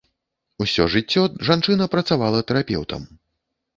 Усё жыццё жанчына працавала тэрапеўтам.